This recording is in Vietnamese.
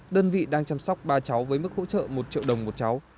đơn vị đang chăm sóc ba cháu với mức hỗ trợ một triệu đồng một cháu